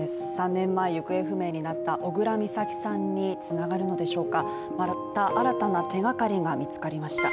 ３年前に行方不明になった小倉美咲さんに繋がるのでしょうかまた新たな手がかりが見つかりました。